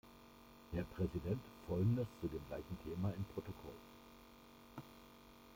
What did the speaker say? Herr Präsident, folgendes zu dem gleichen Thema im Protokoll.